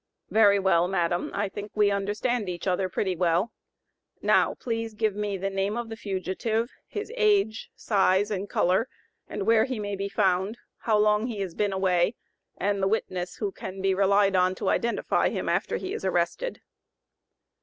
"Very well, madam, I think we understand each other pretty well; now please give me the name of the fugitive, his age, size, and color, and where he may be found, how long he has been away, and the witness who can be relied on to identify him after he is arrested."